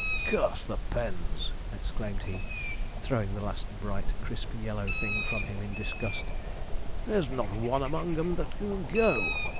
'Curse the pens!' exclaimed he, throwing the last bright crisp yellow thing from him in disgust. 'There's not one among 'em that can go!